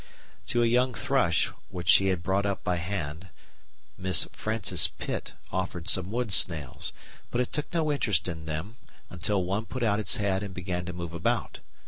To a young thrush, which she had brought up by hand, Miss Frances Pitt offered some wood snails, but it took no interest in them until one put out its head and began to move about.